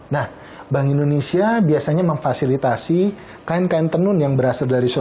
nah bank indonesia biasanya memfasilitasi kain kain tenun yang berasal dari solo